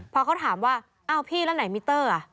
พอเขาถามว่าอ้าวพี่แล้วไหนมิเตอร์อ่ะ